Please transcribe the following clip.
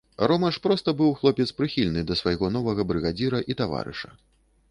Рома ж проста быў хлопец прыхільны да свайго новага брыгадзіра і таварыша.